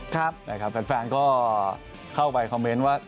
ครับนะครับแฟนก็เข้าไปคอมเมนต์ว่า